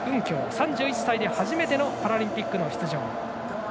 ３１歳で初めてのパラリンピック出場。